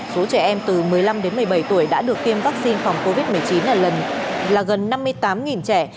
số trẻ em từ một mươi năm đến một mươi bảy tuổi đã được tiêm vaccine phòng covid một mươi chín là gần năm mươi tám trẻ